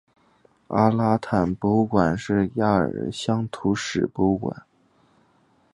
阿拉坦博物馆是亚尔的乡土史博物馆。